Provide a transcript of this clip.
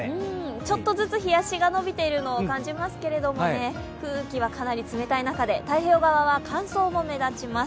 ちょっとずつ日ざしが伸びているのを感じますけれども、空気はかなり冷たい中で太平洋側は乾燥も目立ちます。